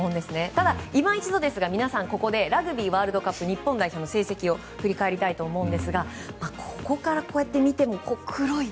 ただ、今一度ラグビーワールドカップ日本代表の成績を振り返りたいと思うんですがここからこうやってみても黒い。